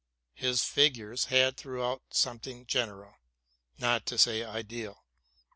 His figures had throughout something general, not to say ideal.